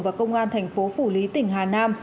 và công an thành phố phủ lý tỉnh hà nam